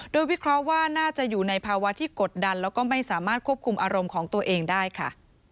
โดยวิเคราะห์ว่าน่าจะอยู่ในภาวะที่กดดันแล้วก็ไม่สามารถควบคุมอารมณ์ของตัวเองได้ค่ะ